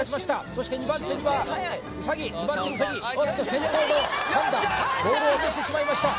そして２番手にはウサギおっと先頭のパンダボールを落としてしまいました